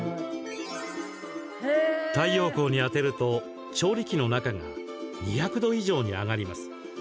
太陽光に当てると、調理器の中が２００度以上に上がります。